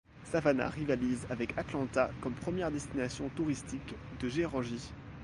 Savannah rivalise avec Atlanta comme première destination touristique de Géorgie.